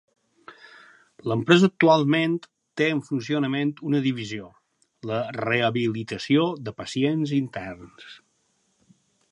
L'empresa actualment té en funcionament una divisió: la rehabilitació de pacients interns.